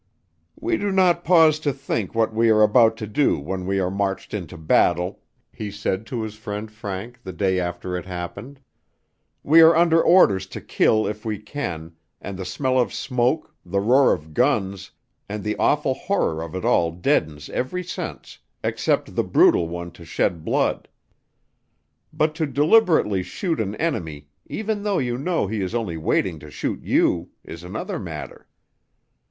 "We do not pause to think what we are about to do when we are marched into battle," he said to his friend Frank the day after it happened; "we are under orders to kill if we can, and the smell of smoke, the roar of guns, and the awful horror of it all deadens every sense except the brutal one to shed blood. But to deliberately shoot an enemy, even though you know he is only waiting to shoot you, is another matter.